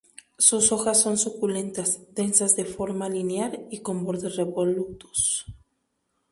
Sus hojas son suculentas, densas de forma linear y con bordes revolutos.